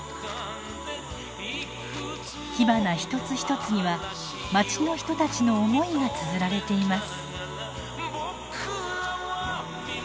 火花一つ一つにはまちの人たちの思いがつづられています。